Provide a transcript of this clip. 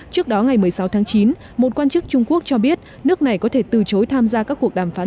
trước đó ngày một mươi sáu tháng chín một quan chức trung quốc cho biết nước này có thể từ chối tham gia các cuộc đàm phán